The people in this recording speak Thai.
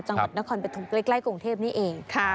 จังหวัดนครเป็นถุงใกล้กรุงเทพนี้เอง